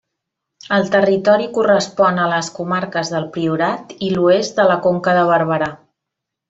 El territori correspon a les comarques del Priorat i l'oest de la Conca de Barberà.